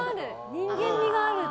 人間味がある。